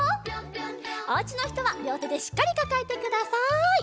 おうちのひとはりょうてでしっかりかかえてください。